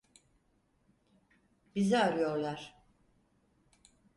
Bizi arıyorlar.